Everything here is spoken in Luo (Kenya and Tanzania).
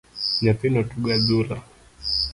Nyathino tugo adhula